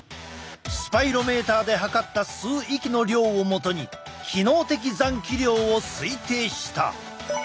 スパイロメーターで測った吸う息の量をもとに機能的残気量を推定した。